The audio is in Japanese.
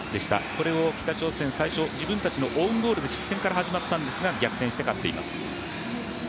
これを北朝鮮最初、自分たちのオウンゴールの失点から始まったんですが逆転して勝っています。